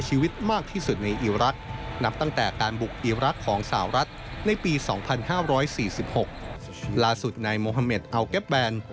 หลังถึง๑๕๔๖ปลลาสุดในมหมศ์เอาเก็บแบน